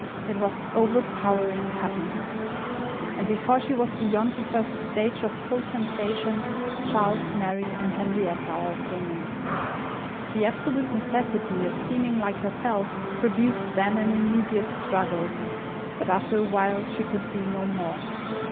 It was overpowering happiness. And before she was beyond the first stage of full sensation, Charles, Mary, and Henrietta all came in. The absolute necessity of seeming like herself produced then an immediate struggle; but after a while she could do no more.